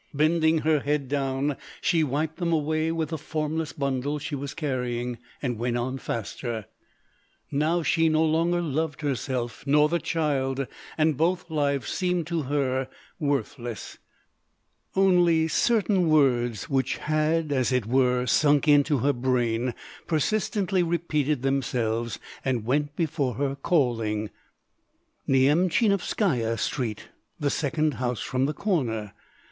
Bending her head down, she wiped them away with the formless bundle she was carrying, and went on faster. Now she no longer loved herself nor the child, and both lives seemed to her worthless; only certain words, which had, as it were, sunk into her brain, persistently repeated themselves, and went before her calling: "Nyemchinovskaya Street, the second house from the corner.